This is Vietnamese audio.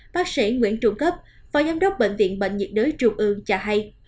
bác sĩ nguyễn trung cấp phó giám đốc bệnh viện bệnh nhiệt đới trung ương cho hay